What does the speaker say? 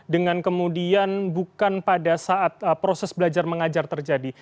dengan kemudian bukan pada saat proses belajar mengajar terjadi